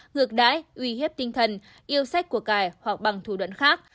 ngược đãi uy hiếp tinh thần yêu sách của cải hoặc bằng thủ đoạn khác